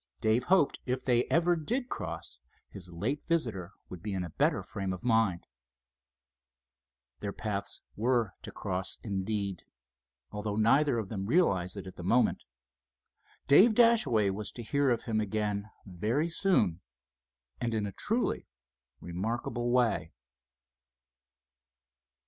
Dave hoped if they ever did cross his late visitor would be in a better frame of mind. Their paths were to cross, indeed, although neither of them realized it at that moment. Dave Dashaway was to hear of him again very soon, and in a truly remarkable way.